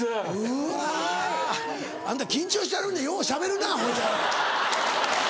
うわ。あんた緊張してはるのにようしゃべるなほいで。